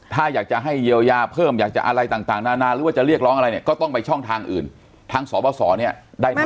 ถ้าอยากจะให้เยียวยาเพิ่มอยากจะอะไรต่างนานาหรือว่าจะเรียกร้องอะไรเนี่ยก็ต้องไปช่องทางอื่นทางสบสเนี่ยได้แน่